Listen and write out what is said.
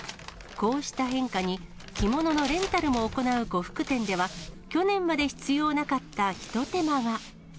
こうした変化に、着物のレンタルも行う呉服店では、去年まで必要なかった一手間が。